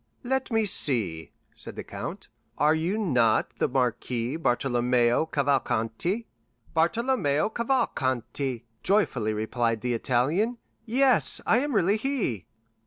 "Let me see," said the count; "are you not the Marquis Bartolomeo Cavalcanti?" "Bartolomeo Cavalcanti," joyfully replied the Italian; "yes, I am really he."